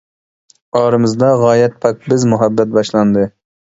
ئارىمىزدا غايەت پاك بىز مۇھەببەت باشلاندى.